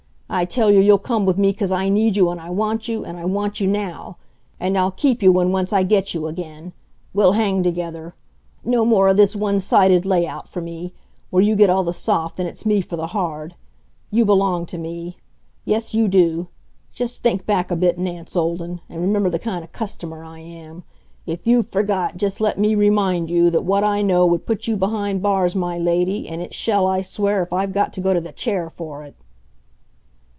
I tell you you'll come with me 'cause I need you and I want you, and I want you now. And I'll keep you when once I get you again. We'll hang together. No more o' this one sided lay out for me, where you get all the soft and it's me for the hard. You belong to me. Yes, you do. Just think back a bit, Nance Olden, and remember the kind of customer I am. If you've forgot, just let me remind you that what I know would put you behind bars, my lady, and it shall, I swear, if I've got to go to the Chair for it!"